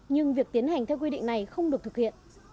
nhưng việc tiến hành theo quy định này không được thực hiện